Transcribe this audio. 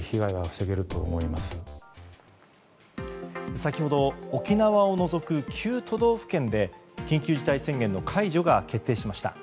先ほど沖縄を除く９都道府県で緊急事態宣言の解除が決定しました。